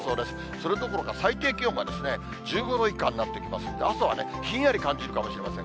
それどころか最低気温が１５度以下になってきますんで、朝はひんやり感じるかもしれません。